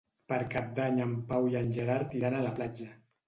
Per Cap d'Any en Pau i en Gerard iran a la platja.